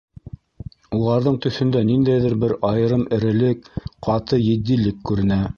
Уларҙың төҫөндә ниндәйҙер бер айырым эрелек, ҡаты етдилек күренә.